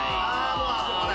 もうあそこだ！